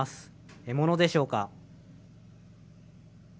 獲物でしょうか。